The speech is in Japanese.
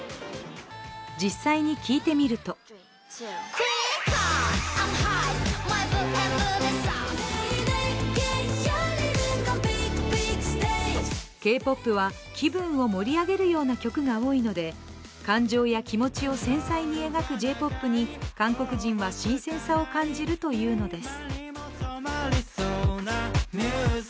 実際に聴いてみるとＫ−ＰＯＰは気分を盛り上げるような曲が多いので、感情や気持ちを繊細に描くＪ‐ＰＯＰに韓国人は新鮮さを感じるというのです。